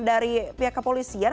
dari pihak kepolisian